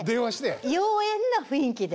妖艶な雰囲気で。